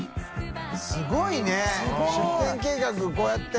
垢瓦い出店計画こうやって。